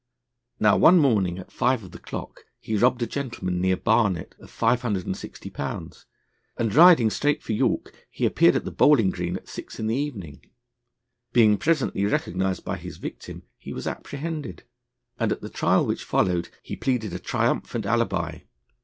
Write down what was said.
Now, one morning at five of the clock, he robbed a gentleman near Barnet of £560, and riding straight for York, he appeared on the Bowling Green at six in the evening. Being presently recognised by his victim, he was apprehended, and at the trial which followed he pleaded a triumphant alibi.